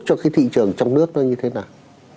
cho cái thị trường trong nước nó như thế nào